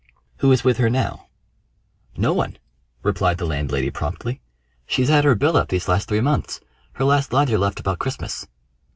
"Who is with her now?" "No one," replied the landlady promptly. "She's had her bill up these three months. Her last lodger left about Christmas."